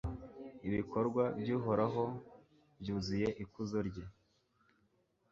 ibikorwa by'uhoraho byuzuye ikuzo rye